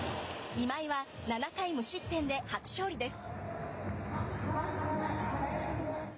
今井は、７回無失点で初勝利です。